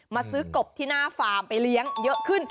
มาซื้อกบที่หน้าฟาร์มไปเลี้ยงเยอะขึ้น